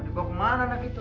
gua dibawa ke mana nak itu